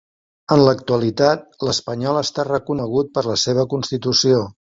En l'actualitat l'espanyol està reconegut per la seva Constitució.